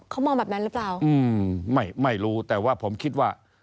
เขามองแบบนั้นหรือเปล่า